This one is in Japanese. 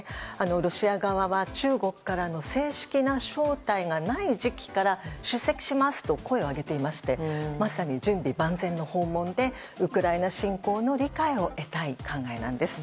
ロシア側は中国からの正式な招待がない時期から出席しますと声を上げていましてまさに準備万全の状態でウクライナ侵攻の理解を得たい考えなんです。